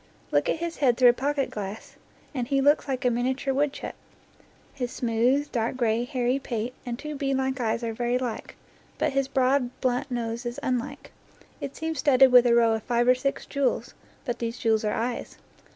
Look at his head through a pocket glass, and he looks like a minia ture woodchuck. His smooth, dark gray, hairy pate and two beadlike eyes are very like; but his broad, blunt nose is unlike. It seems studded with a row of five or six jewels; but these jewels are eyes.